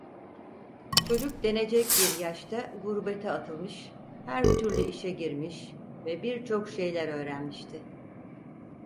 Çocuk denecek bir yaşta gurbete atılmış, her türlü işe girmiş ve birçok şeyler öğrenmişti.